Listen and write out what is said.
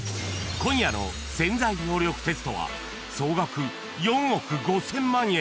［今夜の『潜在能力テスト』は総額４億５，０００万円